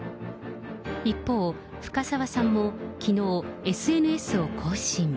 一方、深沢さんもきのう、ＳＮＳを更新。